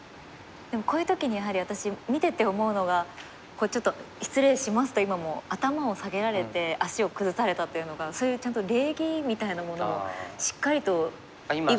でもこういう時にやはり私見てて思うのがちょっと「失礼します」と今も頭を下げられて足を崩されたというのがそういうちゃんと礼儀みたいなものもしっかりと囲碁やって。